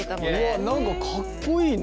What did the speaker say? わっ何かかっこいいね。